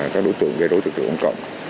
các đối tượng gây đối tượng trụng cộng